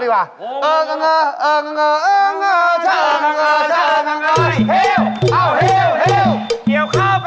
เอาเพลงเรือดีกว่า